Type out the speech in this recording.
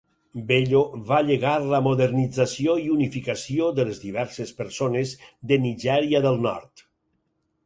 Bello va llegar la modernització i unificació de les diverses persones de Nigèria del Nord.